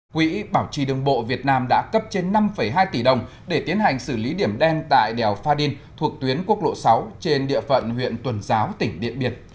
quỹ bảo trì đường bộ việt nam đã cấp trên năm hai tỷ đồng để tiến hành xử lý điểm đen tại đèo pha đin thuộc tuyến quốc lộ sáu trên địa phận huyện tuần giáo tỉnh điện biệt